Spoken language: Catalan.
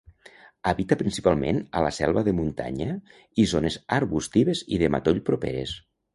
Habita principalment a la selva de muntanya i zones arbustives i de matoll properes.